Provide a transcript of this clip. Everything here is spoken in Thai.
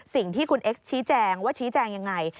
สิ่งที่คุณเอ็กซ์ชี้แจงว่าชี้แจงยังไง